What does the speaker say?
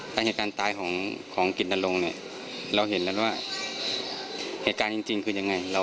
การเหตุการณ์ตายของกิจนรงค์เนี่ยเราเห็นแล้วว่าเหตุการณ์จริงคือยังไง